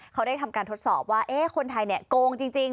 เขาได้ทำการทดสอบว่าคนไทยเนี่ยโกงจริง